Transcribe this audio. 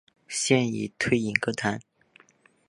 现已退隐歌坛。